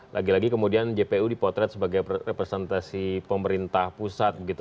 lagi lagi kemudian jpu dipotret sebagai representasi pemerintah pusat begitu